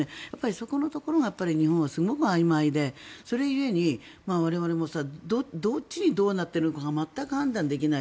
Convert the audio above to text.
そこのところが日本はすごくあいまいでそれ故に、我々もどっちにどうなっているのかが全く判断できない。